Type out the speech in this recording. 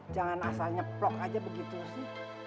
jangan asal nyeprok aja begitu sih